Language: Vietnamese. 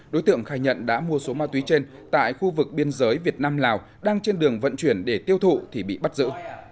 đối tượng khai nhận đã mua số ma túy trên tại khu vực biên giới việt nam lào đang trên đường vận chuyển để tiêu thụ thì bị bắt giữ